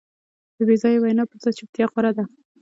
د بېځایه وینا پر ځای چوپتیا غوره ده.